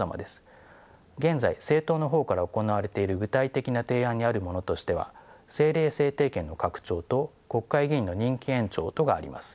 現在政党の方から行われている具体的な提案にあるものとしては政令制定権の拡張と国会議員の任期延長とがあります。